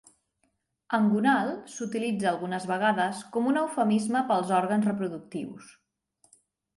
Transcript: Engonal s"utilitza algunes vegades com un eufemisme per als òrgans reproductius.